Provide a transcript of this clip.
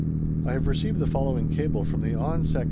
I have received the following cable from the Hon. Sec.